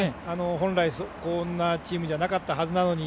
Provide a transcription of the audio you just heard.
本来、こんなチームじゃなかったはずなのに。